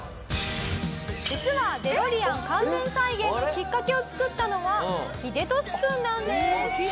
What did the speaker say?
実はデロリアン完全再現のきっかけを作ったのはヒデトシ君なんです。